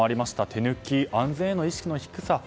手抜き安全への意識の低さ。